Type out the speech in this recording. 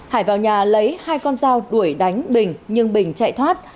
hải vào nhà lấy hai con dao đuổi đánh bình nhưng bình chạy thoát